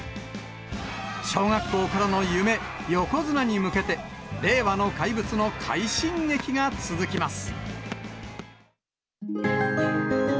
小学校からの夢、横綱に向けて、令和の怪物の快進撃が続きます。